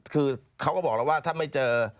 คือเขาก็บอกแล้วว่าถ้าไม่เจอ